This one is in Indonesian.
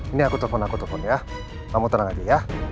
ini aku telpon aku telepon ya kamu tenang aja ya